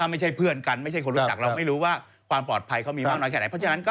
ถ้าไม่ใช่เพื่อนกันไม่ใช่คนรู้จักเราไม่รู้ว่าความปลอดภัยเขามีมากน้อยแค่ไหน